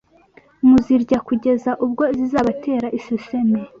muzirya kugeza ubwo zizabatera isesemi